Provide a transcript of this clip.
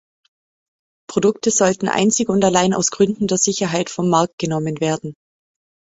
Produkte sollten einzig und allein aus Gründen der Sicherheit vom Markt genommen werden.